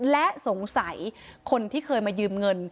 และสงสัยคนที่เคยมายืมเงิน